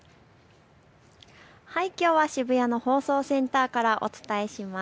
きょうは渋谷の放送センターからお伝えします。